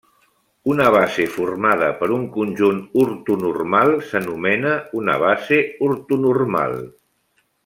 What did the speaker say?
Una base formada per un conjunt ortonormal s'anomena una base ortonormal.